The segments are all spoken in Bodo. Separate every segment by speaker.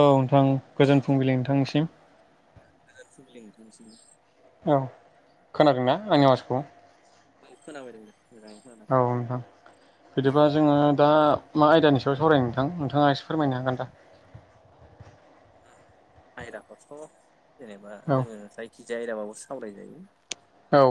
Speaker 1: औ नोंथां गोजोन फुंबिलि नोंथांनिसिम
Speaker 2: [inaudible]
Speaker 1: औ खोनादोंना आंनि माथोखौ
Speaker 2: औ खोनाबाय नोंथां
Speaker 1: औ नोंथां बिदिबा जोङो दा मा आयदानि सायाव सावरायनो नोंथां नोंथाङा एसे फोरमायनो हागोन दा
Speaker 2: आयदाखौथ' जेनेबा
Speaker 1: औ
Speaker 2: जोङो जायखिजाया आयदाबाबो सावराय जायो
Speaker 1: औ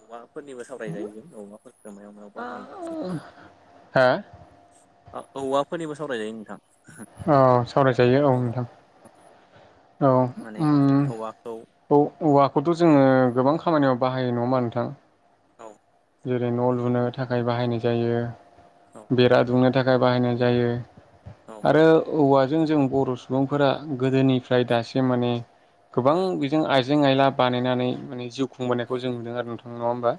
Speaker 2: औवाफोरनिबो सावराय जायो जों औवाफोरफोरखौ मायाव मायाव बाहायो बेफोरबाय
Speaker 1: हो
Speaker 2: औवाफोरनिबो सावरायजायो नोंथां
Speaker 1: औ सावरायजायो औ
Speaker 2: औवा
Speaker 1: नोंथां औ
Speaker 2: माने
Speaker 1: ओम
Speaker 2: औवाखौ
Speaker 1: औ-औवाखौथ' जोङो गोबां खामानियाव बाहायो नङा होमबा नोंथां
Speaker 2: औ
Speaker 1: जेरै न' लुनो थाखाय बाहायनाय
Speaker 2: औ
Speaker 1: जायो बेरा दुमनो थाखाय बाहायनाय जायो
Speaker 2: औ
Speaker 1: आरो औवाजों जों बर' सुबुंफोरा गोदोनिफ्राय दासिम माने गोबां बेजों आइजें आइला बानायनानै माने जिउ खुंबोनायखौ जों नुदों आरो नोंथां नङा होमबा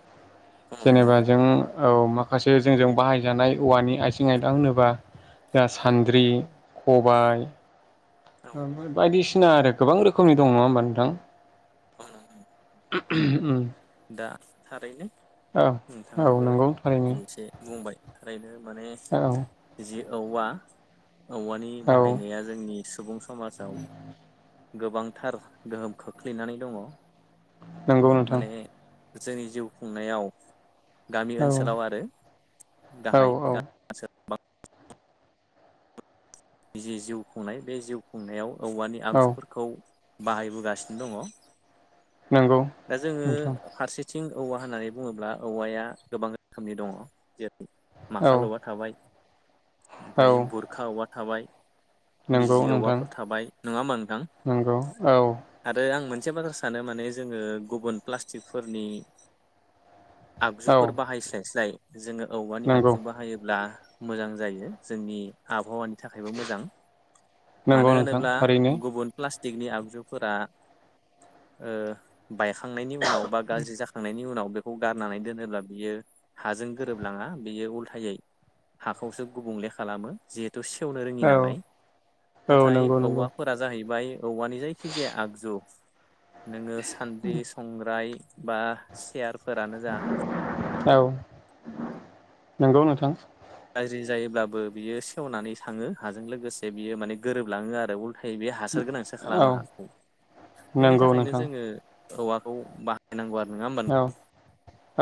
Speaker 2: औ
Speaker 1: जेनबा जों औ माखासे जोंजों बाहायजानाय औवानि आइजें आयला होनोबा जा सान्द्रि
Speaker 2: नंगौ
Speaker 1: खबाय
Speaker 2: औ
Speaker 1: बायदिसिना आरो गोबां रोखोमनि दं नङा होमबा नोंथां
Speaker 2: औ
Speaker 1: उम
Speaker 2: दा थारैनो
Speaker 1: औ
Speaker 2: नोंथाङाबो
Speaker 1: नंगौ थारैनो
Speaker 2: फंनैसो बुंबाय थारैनो माने
Speaker 1: औ
Speaker 2: जि औवा औवानि
Speaker 1: औ
Speaker 2: बाहायनाया जोंनि सुबुं समाजाव गोबांथार गोहोम खोख्लैनानै दङ
Speaker 1: नंगौ नोंथां
Speaker 2: माने जोंनि जिउ खुंनायाव गामि
Speaker 1: औ
Speaker 2: ओनसोलाव आरो
Speaker 1: औ
Speaker 2: गाहाय
Speaker 1: औ
Speaker 2: [unintelligible] नि जिउ खुंनाय बे जिउ खुंनायाव औवानि
Speaker 1: औ
Speaker 2: आगजुफोरखौ बाहायबोगासिनो दङ
Speaker 1: नंगौ
Speaker 2: दा जोङो
Speaker 1: नोंथां
Speaker 2: फारसेथिं थिं औवा होननानै बुङोब्ला औवाया गोबां रोखोमनि दङ
Speaker 1: औ
Speaker 2: माखाल औवा थाबाय
Speaker 1: औ
Speaker 2: ओमफ्राय बुरखा औवा थाबाय
Speaker 1: नंगौ
Speaker 2: बिजलि
Speaker 1: नोंथां
Speaker 2: औवाफोर थाबाय नङा होमबा नोंथां
Speaker 1: नंगौ औ
Speaker 2: आरो आं मोन से बाथ्रा सानो माने जोङो गुबुन प्लास्टिकफोरनि
Speaker 1: औ
Speaker 2: आगजुफोर बाहायस्लायस्लाय जोङो औवानि
Speaker 1: नंगौ
Speaker 2: आगजु बाहायोब्ला मोजां जायो जोंनि आबहावानि थाखायबो मोजां
Speaker 1: नंगौ
Speaker 2: मानो
Speaker 1: नोंथां
Speaker 2: होनोब्ला
Speaker 1: थारैनो
Speaker 2: गुबुन फ्लास टिकनि आगजुफोरा ओ बायखांनायनि उनाव बा गाज्रि जाखांनायनि उनाव बे खौ गारनानै दोनोब्ला बियो हाजों गोरोबलाङा बियो उलथायै हाखौसो गुबुंले खालामो जिहेथु सेेवनो रोङि
Speaker 1: औ
Speaker 2: नालाय
Speaker 1: औ
Speaker 2: नाथाय
Speaker 1: नंगौ नंगौ
Speaker 2: औवाफोरा जाहैबाय औवानि जायखिजाया आगजु नोङो सान्द्रि संग्राय बा सेयारफोरानो जा
Speaker 1: औ नंगौ नोंथां
Speaker 2: गाज्रि जायोब्लाबो बियो सेवनानै थाङो हाजों लोगोसे बियो माने गोरोबलाङो आरो उल थायै हासार गोनांसो
Speaker 1: औ
Speaker 2: खालामो हाखौ बेनि
Speaker 1: नंगौ
Speaker 2: थाखायनो
Speaker 1: नोंथां
Speaker 2: जोङो औवाखौ बाहायनांगौ आरो नङा होमबा
Speaker 1: औ
Speaker 2: नोंथां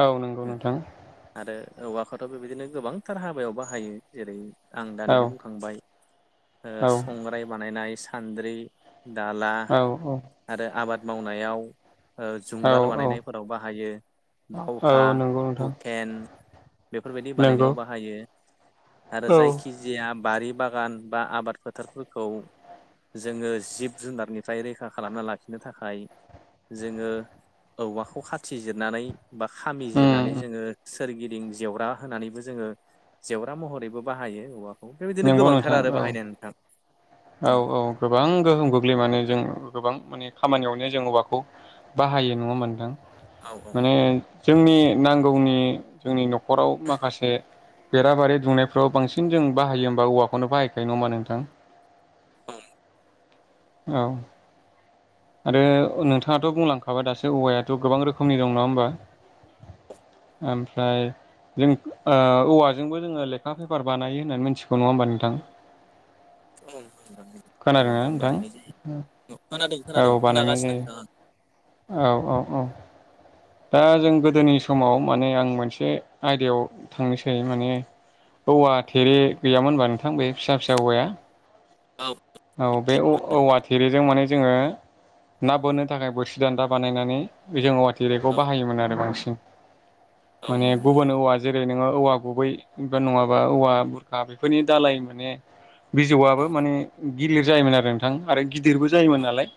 Speaker 1: औ नंगौ नोंथां
Speaker 2: आरो औवाखौथ' बेबायदिनो गोबांथार हाबायाव बाहायो जेरै आं
Speaker 1: औ
Speaker 2: दानिनो बुंखांबाय ओ
Speaker 1: औ
Speaker 2: संग्राय बानायनाय सान्द्रि दाला
Speaker 1: औ
Speaker 2: आरो आबाद मावनायाव ओ
Speaker 1: औ
Speaker 2: जुंगाल
Speaker 1: औ
Speaker 2: बानायनायफोराव बाहायो बाव
Speaker 1: औ
Speaker 2: खा
Speaker 1: नंगौ नोंथां
Speaker 2: हुखेन बेफोरबायदि
Speaker 1: नंगौ
Speaker 2: बानायनायाव बाहायो आरो
Speaker 1: औ
Speaker 2: जायखिजाया बारि बागान बा आबाद फोथारफोरखौ जोङो जिब जुनारनिफ्राय रैखा खालामना लाखिनो थाखाय जोङो औवाखौ खाथिजिरनानै बा खामि जिरनानै जोङो सोरगिदिं जेवरा होनानैबो जोङो जेवरा महरैबो बाहायो औवा बिदिनो
Speaker 1: नंगौ नोंथां
Speaker 2: गोबांथार आरो
Speaker 1: औ
Speaker 2: बाहायनाय नोंथां
Speaker 1: औ औ गोबां गोहोम गोग्लैयो माने जों गोबां माने खामानियावनो जों औवाखौ बाहायो नङा होनबा नोंथां
Speaker 2: औ औ
Speaker 1: माने जोंनि नांगौनि जोंनि न'खराव माखासे बेराबारि दुंनायफ्राव बांसिन जों बाहायो होमबा औवाखौनो बाहायखायो नङा होमबा नोंथां
Speaker 2: ओम
Speaker 1: औ आरो नोंथाङाथ' बुंलांखाबाय दासो औवायाथ' गोबां रोखोमनि दं नङा होमबा ओमफ्राय जों ओ औवाजोंबो जोङो लेखा पेपार बानायो होननानै मिथिगौ नङा होमबा नोंथां खोनादोंना नोंथां
Speaker 2: खोनादों
Speaker 1: औ
Speaker 2: खोनादों
Speaker 1: बानायनाय
Speaker 2: खोनागासिनो
Speaker 1: जायो
Speaker 2: नोंथाङा
Speaker 1: औ औ औ दा जों गोदोनि समाव माने आं मोनसे आयदायाव थांनोसै माने औवा थेरे गैयामोनबा नोंथां बे फिसा फिसा औवाया
Speaker 2: औ
Speaker 1: औ बे औवा थेरे जों माने जोङो ना बोननो थाखाय बोरसि दान्दा बानायनानै जोङो थेरेखौ
Speaker 2: औ
Speaker 1: बाहायोमोन आरो बांसिन
Speaker 2: औ
Speaker 1: माने
Speaker 2: नंगौ नोंथां
Speaker 1: गुबुन औवा जे जेरै नोङो औवा गुबै बा नङाबा औवा बुर्खा बेफोरनि दालाय माने बिजौआबो माने गिलिर जायोमोन आरो नोंथां आरो गिदिरबो जायोमोन
Speaker 2: औ
Speaker 1: नालाय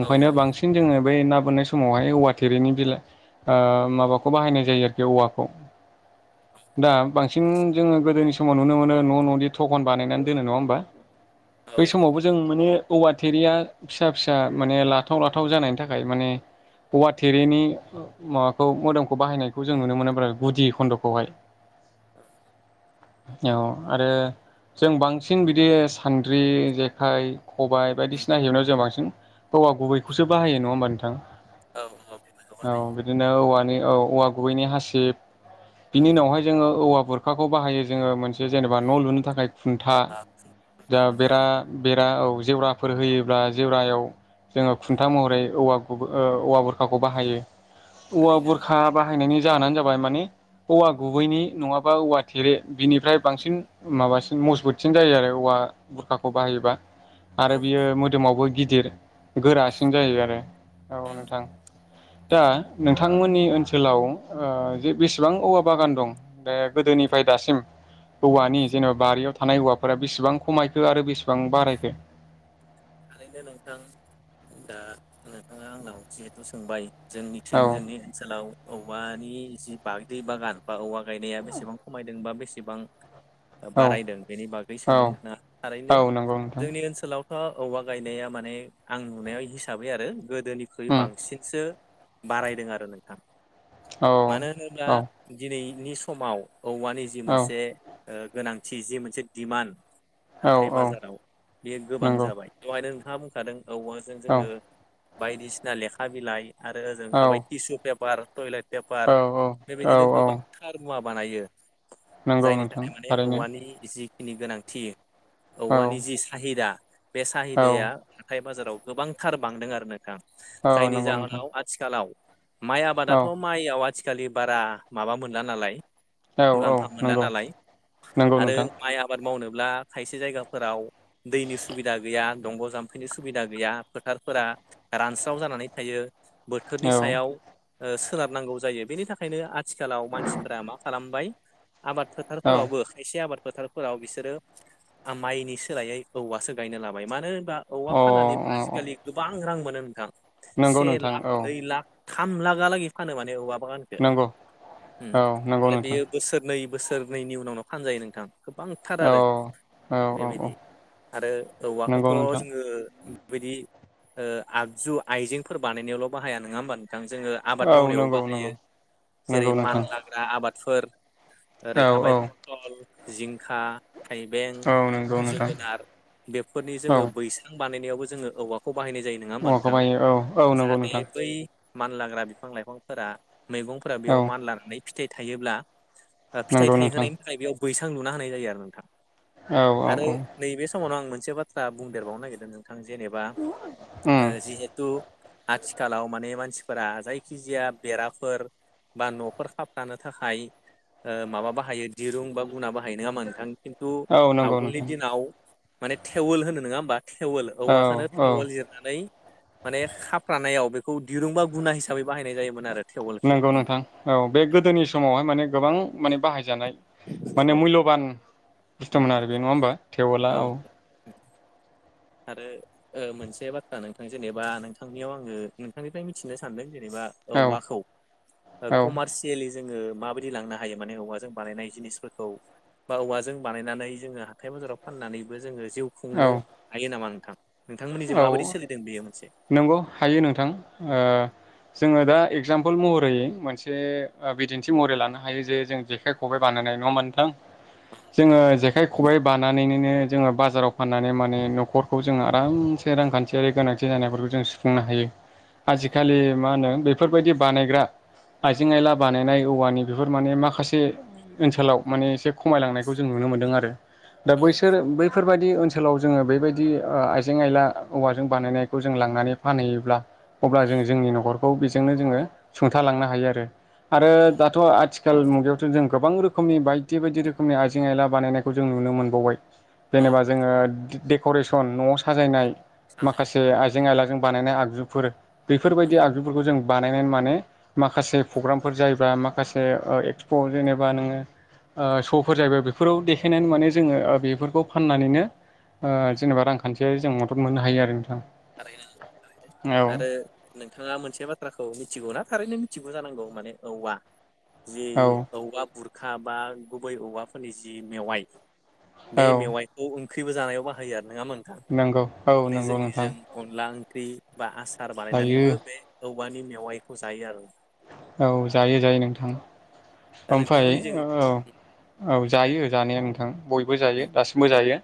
Speaker 2: औ औ नंगौ नोंथां
Speaker 1: बांसिन जोङो बे ना बोननाय समावहाय औवा थोरैनि बिलाइ माबाखौ बाहायनाय जायो आरोखि औवाखौ दा बांसिन जोङो गोदोनि समाव नुनो मोनो न' न'नि थटखन बानायनानै दोनो नङा होमबा
Speaker 2: औ
Speaker 1: बै समावबो जों माने औवा थेरिया फिसा फिसा माने लाथाव लाथाव जानायनि थाखाय माने औवा थेरेनि माबाखौ मोदोमखौ बाहायनायखौ जों नुनो मोनो गुदि खन्द'खौहाय औ आरो जों बांसिन बिदि सान्द्रि जेखाइ खबाय बायदिसिना हेबनायाव जों बांसिन हौवा गुबैखौसो बाहायो नङा होमबा नोंथां।
Speaker 2: औ औ बेफोरखौ
Speaker 1: औ बिदिनो औवानि औ औवा गुबैनि हासिब। बिनि
Speaker 2: बानायो
Speaker 1: उनावहाय जोङो औवा बुरखाखौ बाहायो जोङो मोनसे जेनेबा न' लुनो थाखाय। खुन्था दा बेरा बेरा औ। जेवराफोर होयोब्ला जेवरायाव जोङो खुन्था महरै औवा गुब ओ औवा बुर खाखौ बाहायो औवा
Speaker 2: थारैनो
Speaker 1: बुरखा बाहायनायनि जाहोनानो जाबाय माने औवा गुबैनि नङाबा औवा थेरे बिनिफ्राय बांसिन माबासिन मजबुतसिन जायो आरो औवा आ बुरखाखौ बाहायोबा आरो
Speaker 2: औ
Speaker 1: बियो मोदोमावबो गिदिर गोरासिन जायो आरो औ नोंथां। [inaudible] दा नोंथांमोननि ओनसोलाव ओ जे बेसेबां औवा बागान दं दे गोदोनिफ्राय दासिम। औवानि जेनेबा बारियाव थानाय हौवाफोरा बेसेबां खमायखो आरो बेसेबां बारायखो। [inaudible]
Speaker 2: थारैनो नोंथां दा नोंथाङा आंनाव जिहेथु सोंबाय।
Speaker 1: औ
Speaker 2: जोंनिथिं जोंनि ओनसोलाव औवानि जि बागद्रि बागान बा औवा गायनाया बेसेबां खमायदों बा बेसेबां
Speaker 1: औ
Speaker 2: बारायदों बेनि बागै सोंदों
Speaker 1: औ
Speaker 2: नोथाङा
Speaker 1: औ
Speaker 2: थारैनो
Speaker 1: नंगौ नोंथां
Speaker 2: जोंनि ओनसोलावथ--' औवा गायनाया माने आं नुनायाव हिसाबै आरो गोदोनिख्रुइ
Speaker 1: उम
Speaker 2: बांसिनसो बारायदों आरो नोंथां
Speaker 1: औ
Speaker 2: मानो होनोब्ला
Speaker 1: औ
Speaker 2: दिनैनि समाव औवानि जि
Speaker 1: औ
Speaker 2: मोनसे ओ गोनांथि जि मोनसे दिमान्ड
Speaker 1: औ
Speaker 2: हाथाय
Speaker 1: औ
Speaker 2: बाजाराव बेयो गोबां
Speaker 1: नंगौ
Speaker 2: जाबाय दहायनो नोंथाङा बुंखादों औवाजों
Speaker 1: औ
Speaker 2: जोङो बायदिसिना लेखा बिलाइ आरो जों
Speaker 1: औ
Speaker 2: थाबाय टिसु पेपार। टयलेट पेपार
Speaker 1: औ औ
Speaker 2: बेबायदिनो गोबां
Speaker 1: औ
Speaker 2: थार मुवा बानायो।
Speaker 1: नंगौ
Speaker 2: जायनि
Speaker 1: नोंथां
Speaker 2: थाखाय माने
Speaker 1: थारैनो
Speaker 2: औवानि जि नि गोनांथि औवानि
Speaker 1: औ
Speaker 2: जि साहिदा बे साहिदाया
Speaker 1: औ
Speaker 2: हाथाय बाजाराव गोबांथार बांदों आरो नोंथां
Speaker 1: औ
Speaker 2: जायनि
Speaker 1: नंगौ नोंथां
Speaker 2: जाहोनाव आथिखालाव माइ आबादाथ'
Speaker 1: औ
Speaker 2: माइयाव आथिखालि बारा माबा मोनला नालाय।
Speaker 1: औ औ
Speaker 2: मुलाम्फा मोनला
Speaker 1: नंगौ
Speaker 2: नालाय
Speaker 1: नंगौ
Speaker 2: आरो
Speaker 1: नोंथां
Speaker 2: माइ आबाद मावनो ब्ला खायसे जायगाफोव दैनि सु बिदा गैया दंग' जाम्फैनि सुबिदा गैया फोथारफोरा रानस्राव जानानै थायो। बोथोरनि
Speaker 1: औ
Speaker 2: सायाव ओ सोनारनांगौ जायो बेनि थाखायनो आथिखालाव मानसिफोरा मा खालामबाय आबाद
Speaker 1: औ
Speaker 2: फोथारफोरावबो खायसे आबाद फोथारफोराव बिसोरो माइनि सोलायै औवासो गायना लाबाय मानो होनबा औवा
Speaker 1: अ
Speaker 2: फाननानैबो
Speaker 1: अ
Speaker 2: आजिखालि गोबां रां मोनो नोंथां।
Speaker 1: नंगौ
Speaker 2: से
Speaker 1: नोंथां
Speaker 2: लाख
Speaker 1: औ
Speaker 2: नै लाख थाम लागगा लागि फानो माने औवा मा होनखो
Speaker 1: नंगौ
Speaker 2: उम
Speaker 1: औ नंगौ
Speaker 2: आरो
Speaker 1: नोंथां
Speaker 2: बेयो बोसोरनै बोसोरनैनि उनावनो फानजायो नोंथां। गोबांथार
Speaker 1: औ
Speaker 2: आरो
Speaker 1: औ औ औ
Speaker 2: बेबायदि आरो औवाखौथ'
Speaker 1: नंगौ नोंथां
Speaker 2: जोङो उम। बेबायदि ओ आगजु आइजेंफोर बानायनायावल' बाहाया नङा होमबा नों थां जोङो आबाद
Speaker 1: औ
Speaker 2: मावनायावबो
Speaker 1: नंगौ
Speaker 2: बाहायो
Speaker 1: नंगौ
Speaker 2: जेरै
Speaker 1: नंगौ नोंथां
Speaker 2: मानलाग्रा आबादफोर। ओरै
Speaker 1: औ औ
Speaker 2: थाबाय पटल जिंखा। थाइबें
Speaker 1: औ नंगौ नोंथां
Speaker 2: जोगोनार बेफोरनि
Speaker 1: औ
Speaker 2: जोङो बैस्रां बानायनायावबो जोङो औवाखौ बाहायनाय जायो नङा होनबा
Speaker 1: औवाखौ
Speaker 2: नोंथां
Speaker 1: बायो औ औ नंगौ
Speaker 2: जाहाथे
Speaker 1: नोंथां
Speaker 2: बै मानलाग्रा बिफां लाइफांफोरा मैगंफोरा
Speaker 1: औ
Speaker 2: बेयाव मान लानानै फिथाइ थायोब्ला ओ फिथाइ
Speaker 1: नंगौ नोंथां
Speaker 2: थायहोनायनि थाखाय बेयाव बैसां लुना होनाय जायो आरो नोंथां।
Speaker 1: औ औ
Speaker 2: आरो
Speaker 1: औ।
Speaker 2: नैबे समावनो आं मोनसे बाथ्रा बुंदेरबावनो नागिरदों नोंथां जेनेबा
Speaker 1: उम
Speaker 2: ओ जिहेथु आथिखालाव माने मानसिफोरा जायखिजाया बेराफोर बा न'फोर खाबथानो थाखाय ओ माबा बाहायो दिरुं बा गुना बाहायो नङा होनबा नोंथां? किनतु
Speaker 1: औ नंगौ
Speaker 2: आवगोलनि
Speaker 1: नोंथां
Speaker 2: दिनाव माने थेवल होनो नङा होमबा? थेवल
Speaker 1: औ
Speaker 2: औवाखौनो
Speaker 1: औ
Speaker 2: थेवेल जिरनानै माने खाफ्रानायाव बे खौ दिरुंबा गुना हिसाबै बाहायनाय जायोमोन आरो। थेवलखौ
Speaker 1: नंगौ नोंथां औ बे गोदोनि समावहाय माने गोबां माने बाहायजानाय माने
Speaker 2: औ
Speaker 1: मुल्यबान बुस्थुमोन
Speaker 2: धन्यबाद
Speaker 1: आरो बे नङा होमबा थेवला औ।
Speaker 2: आरो ओ मोनसे बाथ्रा नोंथां जेनेबा नोंथांनियाव आङो नोंथांनिफ्राय मिथिनो सानदों जेनेबा
Speaker 1: औ
Speaker 2: औवाखौ
Speaker 1: औ
Speaker 2: कमारसियेलि जोङो माबायदि लांनो हायो माने औवाजों बानायनाय जिनिसफोरखौ बा औवाजों बानायनानै जोङो हाथाय बाजाराव फाननानैबो जोङो जिउ
Speaker 1: औ
Speaker 2: खुंनो हायो नामा नोंथां? नोंथांमोननिजों
Speaker 1: औ
Speaker 2: माबायदि सोलिदों बेयो मोनसे
Speaker 1: नंगौ हायो नोंथां ओ जोङो दा एगजामपोल महरै मोनसे बिदिन्थि महरै लानो हायो जे जों जेखाइ खबाइ बानायनाय नङा होनबा नोंथां? जोङो जेखाइ खबाय बानायनानैनो जोङो बाजाराव फाननानै माने न'खरखौ जोङो आरामसे रांखान्थियारि गोनांथि जानायफोरखौ जों सुफुंनो हायो। आजिखालि मा होनो बेफोरबायदि बानायग्रा आइजें आयला बानायनाय औवानि बेफोर माने माखासे ओनसोलाव माने एसे खमायलांनायखौ जों नुनो मोनदों आरो दा
Speaker 2: औ
Speaker 1: बैसोर बैफोरबायदि ओनसोलाव जोङो बैबायदि ओ आइजें आइजें आयला औवाजों बानायनायखौ जों लांनानै फानहैयोब्ला अब्ला जों जोंनि न'खर खौ बेजोंनो जोङो सुंथालांनो हायो आरो। आरो
Speaker 2: नंगौ
Speaker 1: दाथ' आथिखाल मुगायावथ' जों गोबां रोखोमनि बायदि बायदि रोखोमनि आइजें आइला बानायनायखौ जों नुनो मोनबावबाय
Speaker 2: औ
Speaker 1: जेनेबा जोङो देकरेसन न'आव साजायनाय
Speaker 2: साजायनाय
Speaker 1: माखासे आइजें आइलाजों बानायनाय आगजुफोर बेफोरबायदि आगजुफोरखौ जों बानायनानै माने माखासे प्रग्रामफोर जायोबा माखासे ओ एक्सप' जेनेबा नोङो ओ श'फोर जायोबा बेफोराव देखायनानै माने जोङो ओ बेफोरखौ फाननानैनो ओ जेनेबा रांखान्थियारि जों मदद मोननो हायो आरो नोंथां। औ
Speaker 2: आरो नोंथाङा मोनसे बाथ्राखौ मिथिगौ ना? थारैनो मिथिगौ जानांगौ माने औवा जे
Speaker 1: औ
Speaker 2: औवा बुर खा बा गुबै औवाफोरनि जि मेवाइ बे
Speaker 1: औ
Speaker 2: मेवाइखौ ओंख्रिबो जानाय बाहायो आरो। नङा होमबा नोंथां?
Speaker 1: नंगौ औ
Speaker 2: माने
Speaker 1: नंगौ नोंथां।
Speaker 2: जोंनिजों अनला ओंख्रि बा आसार
Speaker 1: जायो
Speaker 2: बानायनानैबो बे औवानि मेवाइखौ जायो आरो।
Speaker 1: औ जायो जायो नोंथां
Speaker 2: दा
Speaker 1: ओमफ्राय
Speaker 2: नोंथांमोननिजों
Speaker 1: औ। औ जायो जानाया नोंथां बयबो जायो
Speaker 2: औ
Speaker 1: दासिमबो जायो।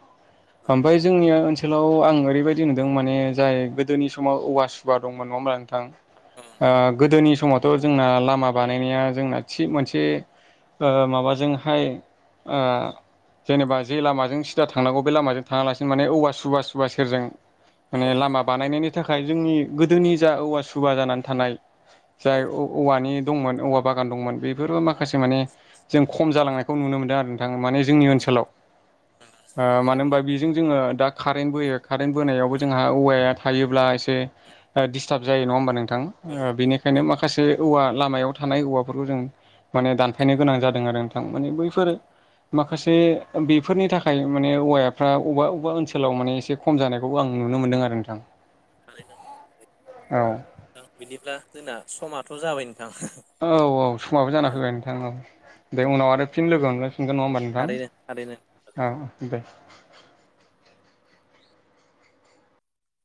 Speaker 1: ओमफ्राय जोंनिया ओनसोलाव आं ओरैबायदि नुदों माने जाय गोदोनि समाव औवा सुबा दंमोन नङा होनबा नोंथां। आ गोदोनि समावथ' जोंना लामा बानायनाया जोंना थि मोनसे ओ माबाजोंहाय ओ जेनेबा जे लामाजों सिदा थांनांगौ बे लामाजों थाङालासिनो माने औवा सुबा सुबा सेरजों माने
Speaker 2: औ
Speaker 1: लामा बानायनायनि थाखाय जोंनि गोदोनि जा औवा सुबा जानानै थानाय जाय
Speaker 2: औ
Speaker 1: औवानि दंमोन औवा बागान दंमोन बेफोरबो माखासे माने जों खम जालांनायखौ नुनो मोनदों आरो नोंथां माने जोंनि ओनसोलाव। ओ मानो होनबा
Speaker 2: थारैनो
Speaker 1: बेजों जोङो दा कारेन्ट बोयो कारेन्ट बोनायावबो जोंहा औवाया थायोब्ला एसे डिस्टाब जायो नङा होनबा नोंथां।
Speaker 2: औ
Speaker 1: नोंथां बेनिखायनो माखासे औवा लामायाव थानाय औवाफोरखौ जों माने दानफायनो गोनां जादों आरो नोंथां माने बैफोरो माखासे बेफोरनि थाखाय माने औवायाफ्रा अबेबा अबेबा ओनसोलाव माने एसे खम जानायखौ आं नुनो मोनदों आरो नोंथां।
Speaker 2: [unintelligible]
Speaker 1: औ।
Speaker 2: बिदिब्ला जोंना समाथ' जाबाय। नोंथां
Speaker 1: औ औ समाबो जाना
Speaker 2: औ
Speaker 1: फैबाय नोंथां औ दे उनाव आरो फिन लोगो मोनलायफि थांगोन नङा होमबा
Speaker 2: थारैनो थारैनो
Speaker 1: नोंथां आ दे।